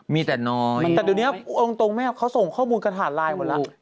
มีแต่น้อยแต่เดี๋ยวนี้เอาตรงแม่เขาส่งข้อมูลกระถาดไลน์หมดแล้ว